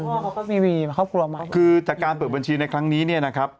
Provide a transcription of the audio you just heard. ภอพี่พ่อเขาก็มีคบครัวคือจากการเปิดบัญชีในครั้งนี้เนี่ยนะครับ